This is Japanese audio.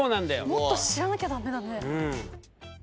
もっと知らなきゃ駄目だね。